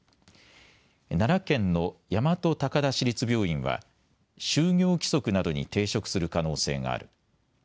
奈良県の大和高田市立病院は就業規則などに抵触する可能性がある。